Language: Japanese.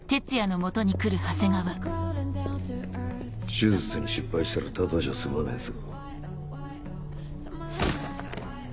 手術に失敗したらただじゃ済まねえぞ。